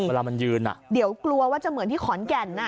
เวลามันยืนอ่ะเดี๋ยวกลัวว่าจะเหมือนที่ขอนแก่น